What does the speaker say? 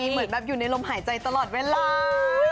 เหมือนแบบอยู่ในลมหายใจตลอดเวลา